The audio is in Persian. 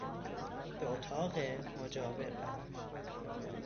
به اتاق مجاور رفت.